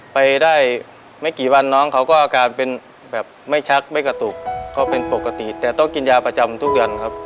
ไปได้ไม่กี่วันน้องเขาก็อาการเป็นแบบไม่ชักไม่กระตุกก็เป็นปกติแต่ต้องกินยาประจำทุกวันครับ